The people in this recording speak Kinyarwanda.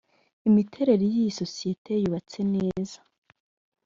imiterere y ‘isosiyete yubatse neza.